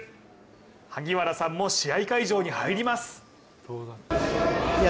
萩原さんも試合会場に入ります。